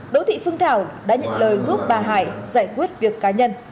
đối tượng phương thảo đã nhận lời giúp bà hải giải quyết việc cá nhân